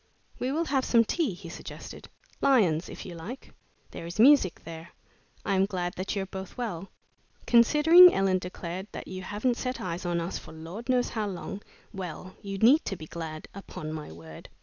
"We will have some tea," he suggested, "Lyons', if you like. There is music there. I am glad that you are both well." "Considering," Ellen declared, "that you haven't set eyes on us for Lord knows how long well, you need to be glad. Upon my word!"